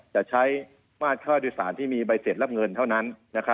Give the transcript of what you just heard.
จะใช้มาตรค่าโดยสารที่มีใบเสร็จรับเงินเท่านั้น